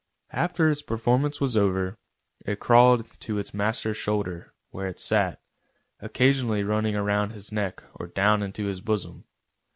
After its performance was over, it crawled to its master's shoulder, where it sat, occasionally running round his neck or down into his bosom.